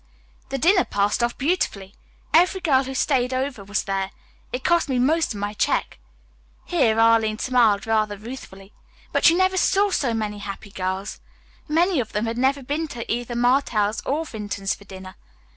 "The dinner passed off beautifully. Every girl who stayed over was there. It cost me most of my check." Here Arline smiled rather ruefully. "But you never saw so many happy girls. Many of them had never been to either Martell's or Vinton's for dinner.